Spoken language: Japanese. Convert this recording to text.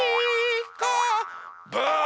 ブー！